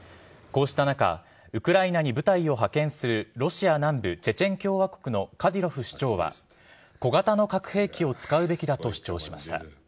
こうした中、ウクライナに部隊を派遣するロシア南部チェチェン共和国のカディロフ首長は、小型の核兵器を使うべきだと主張しました。